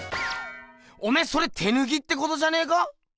おめえそれ手ぬきってことじゃねえか？